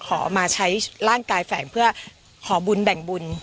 ขอมาใช้ร่างกายแฝงเพื่อขอบุญแบ่งบุญ